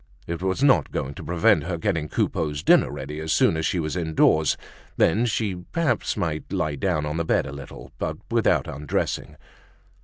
It was not going to prevent her getting Coupeau's dinner ready as soon as she was indoors; then she might perhaps lie down on the bed a little, but without undressing.